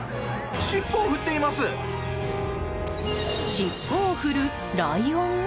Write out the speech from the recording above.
尻尾を振るライオン？